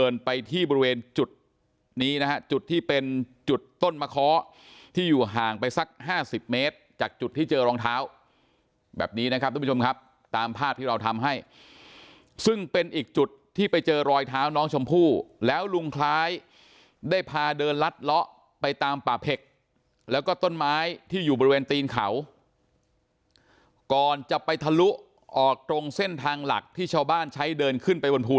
เดินไปที่บริเวณจุดนี้นะฮะจุดที่เป็นจุดต้นมะเคาะที่อยู่ห่างไปสักห้าสิบเมตรจากจุดที่เจอรองเท้าแบบนี้นะครับทุกผู้ชมครับตามภาพที่เราทำให้ซึ่งเป็นอีกจุดที่ไปเจอรอยเท้าน้องชมพู่แล้วลุงคล้ายได้พาเดินลัดเลาะไปตามป่าเผ็กแล้วก็ต้นไม้ที่อยู่บริเวณตีนเขาก่อนจะไปทะลุออกตรงเส้นทางหลักที่ชาวบ้านใช้เดินขึ้นไปบนภู